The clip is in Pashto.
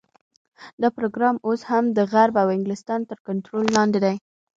دا پروګرام اوس هم د غرب او انګلستان تر کنټرول لاندې دی.